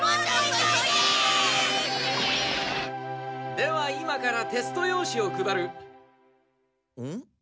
では今からテスト用紙を配る。